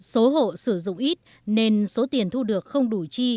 số hộ sử dụng ít nên số tiền thu được không đủ chi